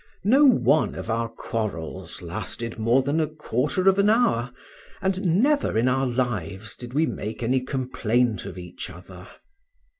No one of our quarrels lasted more than a quarter of an hour, and never in our lives did we make any complaint of each other.